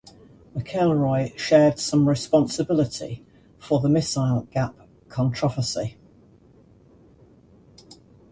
McElroy shared some responsibility for the missile gap controversy.